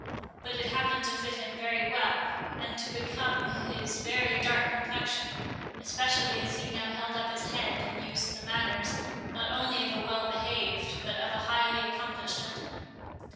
But it happened to fit him very well, and to become his very dark complexion, especially as he now held up his head, and used the manners, not only of a well behaved but of a highly accomplished gentleman.